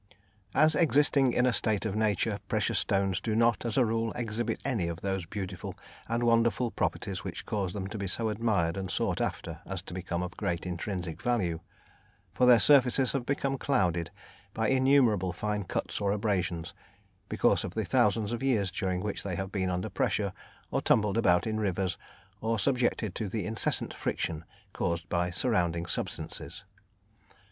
As existing in a state of nature precious stones do not, as a rule, exhibit any of those beautiful and wonderful properties which cause them to be so admired and sought after as to become of great intrinsic value, for their surfaces have become clouded by innumerable fine cuts or abrasions, because of the thousands of years during which they have been under pressure, or tumbled about in rivers, or subjected to the incessant friction caused by surrounding substances.